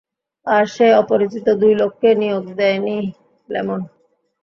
আর সে অপরিচিত দুই লোককে নিয়োগ দেয়নি, লেমন।